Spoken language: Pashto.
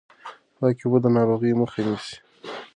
پاکې اوبه د ناروغیو مخه نيسي.